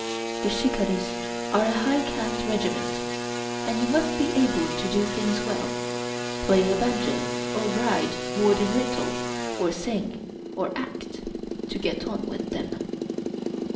The " Shikarris " are a high caste regiment, and you must be able to do things well — ^play a banjo, or ride more than little, or sing, or act — ^to get on with them.